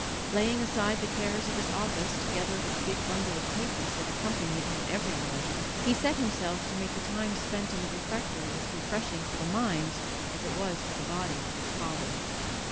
Laying aside the cares of his office together with the big bundle of papers that accompanied him everywhere, he set himself to make the time spent in the refectory as refreshing for the minds as it was for the bodies of his colleagues.